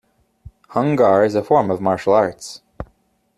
Hung Gar is a form of martial arts.